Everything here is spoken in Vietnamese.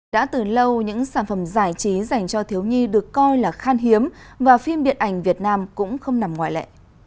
đã từ lâu những sản phẩm giải trí dành cho thiếu nhi được coi là khan hiếm và phim điện ảnh việt nam cũng không nằm ngoại lệ